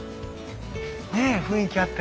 ねえ雰囲気あって。